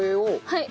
はい。